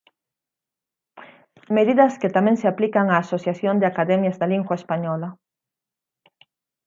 Medidas que tamén se aplican á Asociación de Academias da Lingua Española.